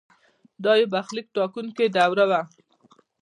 دا یو برخلیک ټاکونکې دوره وه.